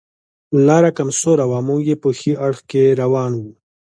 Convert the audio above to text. لاره کم سوره وه، موږ یې په ښي اړخ کې روان و.